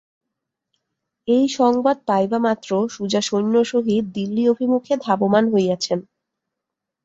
এই সংবাদ পাইবামাত্র সুজা সৈন্যসহিত দিল্লি-অভিমুখে ধাবমান হইয়াছেন।